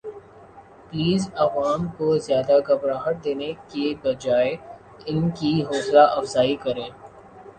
piles عوام کو زیادہ گھبراہٹ دینے کے بجاے ان کی حوصلہ افزائی کریں